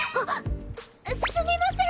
すみません！